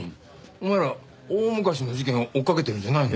お前ら大昔の事件追っかけてるんじゃないの？